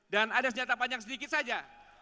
dan ada senjata panjang sedikit saja